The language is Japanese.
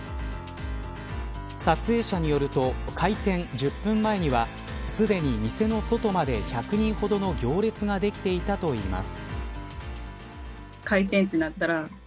撮影者によると開店１０分前にはすでに店の外まで１００人ほどの行列ができていたといいます。